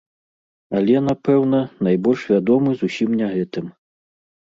Але, напэўна, найбольш вядомы зусім не гэтым.